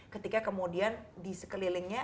ketika kemudian di sekelilingnya